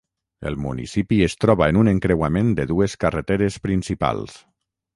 El municipi es troba en un encreuament de dues carreteres principals.